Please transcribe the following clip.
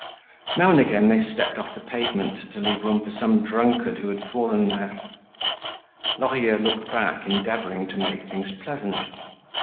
Now and again they stepped off the pavement to leave room for some drunkard who had fallen there. Lorilleux looked back, endeavoring to make things pleasant.